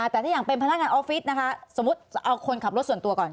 แต่ถ้าอย่างเป็นพนักงานออฟฟิศนะคะสมมุติเอาคนขับรถส่วนตัวก่อน